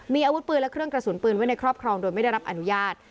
มีอาวุธปืนและเครื่องกระสุนปืนไว้ในครอบครองโดยไม่ได้รับอนุญาต